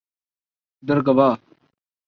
Dargwa